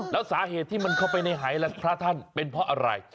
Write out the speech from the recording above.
แล้วสาเหตุที่มันเข้าไปในหายและพระท่านเป็นเพราะอะไร